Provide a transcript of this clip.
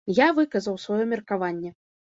Я выказаў сваё меркаванне.